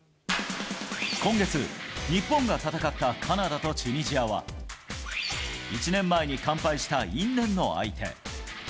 今月、日本が戦ったカナダとチュニジアは、１年前に完敗した因縁の相手。